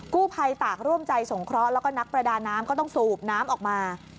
กู้ภัยตากร่วมใจสงเคราะห์แล้วก็นักประดาน้ำก็ต้องสูบน้ำออกมา